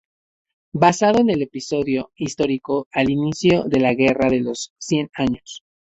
Basado en el episodio histórico al inicio de la Guerra de los Cien años.